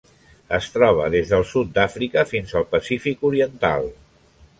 Es troba des del sud d'Àfrica fins al Pacífic oriental.